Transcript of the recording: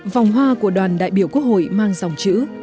vòng hoa của đoàn đại biểu quốc hội mang dòng chữ